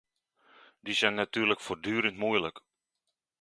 Die zijn natuurlijk voortdurend moeilijk.